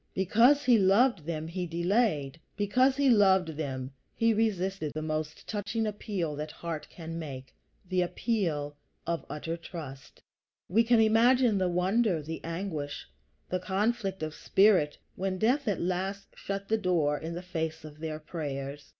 Because he loved them, he delayed; because he loved them, he resisted that most touching appeal that heart can make, the appeal of utter trust. We can imagine the wonder, the anguish, the conflict of spirit, when death at last shut the door in the face of their prayers.